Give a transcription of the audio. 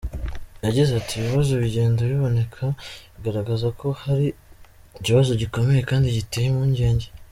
Yagize ati “Ibibazo bigenda biboneka bigaragaza ko hari ikibazo gikomeye kandi giteye impungenge.